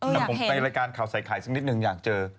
แต่ผมไปรายการข่าวใส่ไข่สักนิดนึงอยากเจอ